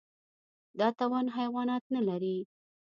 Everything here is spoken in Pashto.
دا توان حیوانات نهلري.